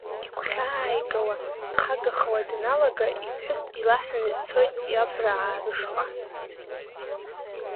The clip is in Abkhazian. Игәхьааигауа, дхагахуа даналага, иԥҳәыс илаҳәаны дцоит иабраа рышҟа.